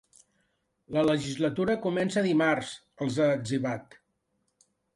La legislatura comença dimarts, els ha etzibat.